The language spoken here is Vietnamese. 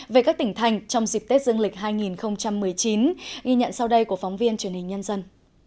về các tỉnh thành trong dịp tết dương lịch hai nghìn một mươi chín ghi nhận sau đây của phóng viên truyền hình nhân dân